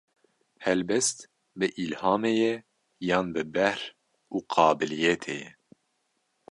Helbest, bi îlhamê ye yan bi behr û qabîliyetê ye?